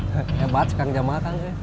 hebat sih kang jamal kang